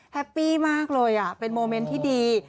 แฮปปี้มากเลยเป็นโมเมนต์ที่ดี